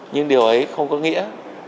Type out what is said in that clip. nhưng điều ấy không có nghĩa